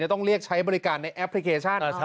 ต้องเรียกใช้บริการในแอปพลิเคชัน